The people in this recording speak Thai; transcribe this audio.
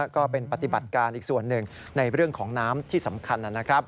ก็เป็นปฏิบัติการอีกส่วนหนึ่งในเรื่องของน้ำที่สำคัญนะครับ